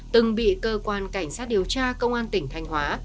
từng bị cơ quan cảnh sát điều tra công an tỉnh thanh hóa